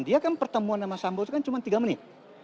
dia kan pertemuan sama sambo itu kan cuma tiga menit